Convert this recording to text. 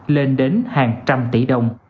lên đến hàng trăm tỷ đồng